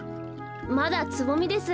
まだつぼみです。